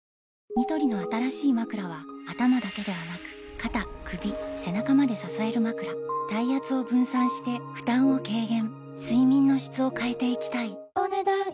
ニトリの新しいまくらは頭だけではなく肩・首・背中まで支えるまくら体圧を分散して負担を軽減睡眠の質を変えていきたいお、ねだん以上。